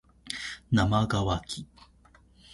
なまがわき